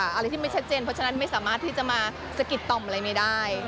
อะไรที่ไม่ชัดเจนเพราะฉะนั้นไม่สามารถที่จะมาสะกิดต่อมอะไรไม่ได้